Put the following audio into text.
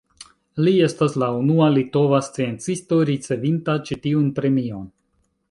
Li estas la unua litova sciencisto ricevinta ĉi tiun premion.